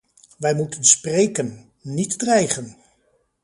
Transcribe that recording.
Wij moeten spreken, niet dreigen.